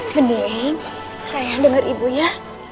bening sayang dengar ibu ya